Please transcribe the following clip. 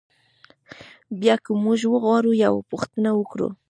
بیا که موږ وغواړو یوه پوښتنه وکړو.